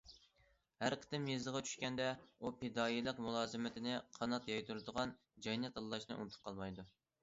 ھەر قېتىم يېزىغا چۈشكەندە ئۇ پىدائىيلىق مۇلازىمىتىنى قانات يايدۇرىدىغان جاينى تاللاشنى ئۇنتۇپ قالمايدۇ.